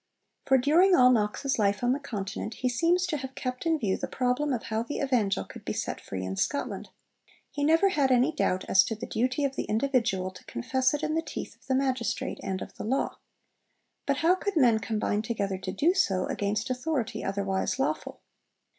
For during all Knox's life on the Continent he seems to have kept in view the problem of how the Evangel could be set free in Scotland. He never had any doubt as to the duty of the individual to confess it in the teeth of the Magistrate and of the law. But how could men combine together to do so, against authority otherwise lawful?